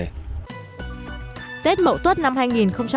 tết nguyễn văn vụ chủ vân đào hiệp vua thất thốn